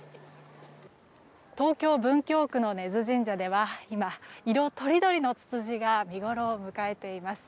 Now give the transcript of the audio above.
東京・文京区の根津神社では今、色とりどりのツツジが見ごろを迎えています。